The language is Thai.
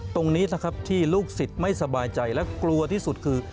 ตรงนี้นะครับที่ลูกศิษย์ไม่สบายใจและกลัวที่สุดคือ